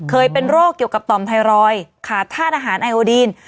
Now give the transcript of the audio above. เคยเป็นโรคเกี่ยวกับต่อมไทรอยด์ขาดธาตุอาหารไอโอดีน